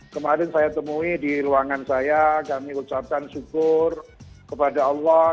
kemarin saya temui di ruangan saya kami ucapkan syukur kepada allah